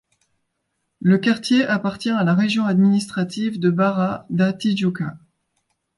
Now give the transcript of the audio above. Le quartier appartient à la région administrative de Barra da Tijuca.